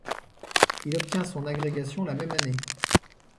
Il obtient son agrégation la même année.